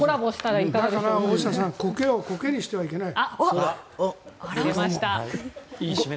だからコケをコケにしてはいけない。